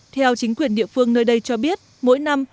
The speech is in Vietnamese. theo chính quyền địa phương nơi đây cho biết mỗi năm